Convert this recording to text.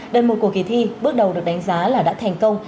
đơn mục của kỳ thi bước đầu được đánh giá là đã thành công